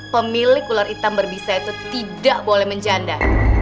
pemilik ular hitam berbisa itu tidak boleh menjanda